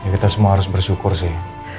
kita semua harus bersyukur sih